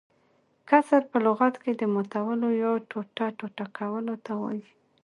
کسر په لغت کښي ماتولو يا ټوټه - ټوټه کولو ته وايي.